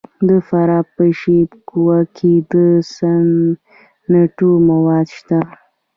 د فراه په شیب کوه کې د سمنټو مواد شته.